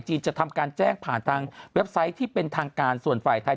จะทำการแจ้งผ่านทางเว็บไซต์ที่เป็นทางการส่วนฝ่ายไทย